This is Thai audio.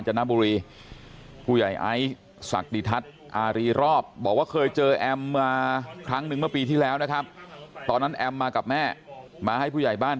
เราก็บอกไปได้เราไม่ได้พูดว่าเชื่อหรือไม่เชื่อเราก็พูดอะไรไปได้